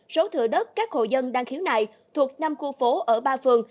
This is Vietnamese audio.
số thừa đất các hộ dân đang khiếu nại thuộc năm khu phố ở ba phường